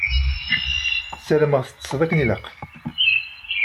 Sarameɣ teṭṭseḍ akken ilaq.